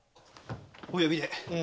お呼びで。